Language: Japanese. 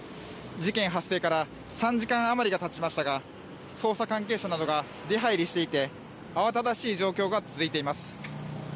事件発生から３時間余りがたちましたが捜査関係者などが出はいりしていて慌ただしい状況が続いています。